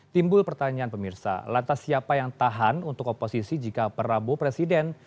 timbul pertanyaan pemirsa lantas siapa yang tahan untuk oposisi jika prabowo presiden